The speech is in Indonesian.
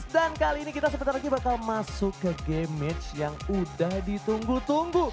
dan kali ini kita sebentar lagi bakal masuk ke game match yang udah ditunggu tunggu